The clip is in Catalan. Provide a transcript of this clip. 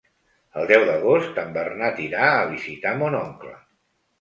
El deu d'agost en Bernat irà a visitar mon oncle.